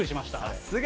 さすが。